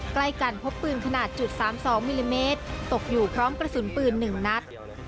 ใกล้กันพบปืนขนาด๓๒มิลลิเมตรตกอยู่พร้อมกระสุนปืน๑นัด